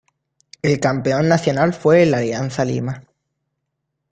El campeón nacional fue el Alianza Lima.